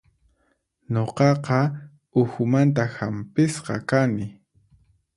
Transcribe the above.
Nuqaqa uhumanta hampisqa kani.